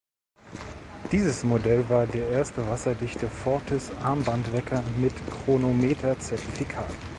Dieses Modell war der erste wasserdichte Fortis Armband-Wecker mit Chronometer-Zertifikat.